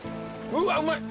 うわっうまい！